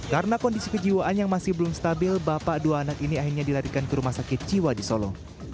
karena kondisi kejiwaan yang masih belum stabil bapak dua anak ini akhirnya dilarikan ke rumah sakit jiwa di solo